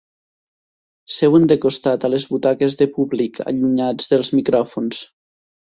Seuen de costat a les butaques de públic, allunyats dels micròfons.